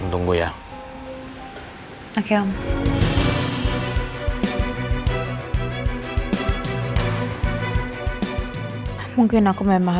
tunggu gue ya